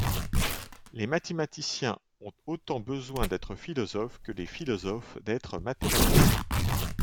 Les mathématiciens ont autant besoin d'être philosophes que les philosophes d'être mathématiciens.